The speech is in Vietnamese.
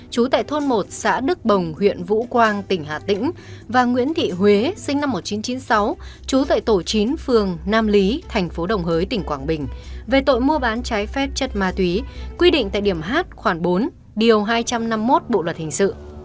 chú tại thôn một xã đức bồng huyện vũ quang tỉnh hà tĩnh và nguyễn thị huế sinh năm một nghìn chín trăm chín mươi sáu trú tại tổ chín phường nam lý thành phố đồng hới tỉnh quảng bình về tội mua bán trái phép chất ma túy quy định tại điểm h khoảng bốn điều hai trăm năm mươi một bộ luật hình sự